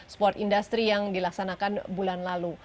sport industry yang dilaksanakan bulan lalu